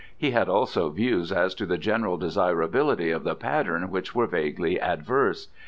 He had also views as to the general desirability of the pattern which were vaguely adverse.